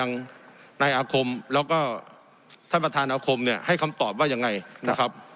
ในอาคมแล้วก็ท่านประธานอาคมเนี่ยให้คำตอบว่ายังไงนะครับ